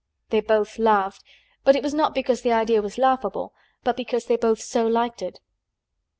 They both laughed but it was not because the idea was laughable but because they both so liked it.